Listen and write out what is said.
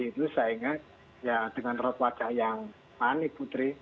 itu saya ingat ya dengan rote wajah yang panik putri